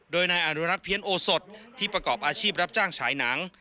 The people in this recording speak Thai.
โดยนายอนุรัติเพี้ยนโอสดที่ประกอบอาชีพรับจ้างฉายหนัง